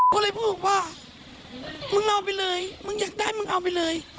ก็เลยพูดบอกว่ามึงเอาไปเลยมึงอยากได้มึงเอาไปเลย